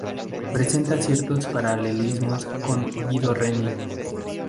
Presenta ciertos paralelismos con Guido Reni.